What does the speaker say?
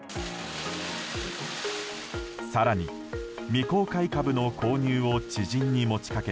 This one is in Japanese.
更に、未公開株の購入を知人に持ち掛け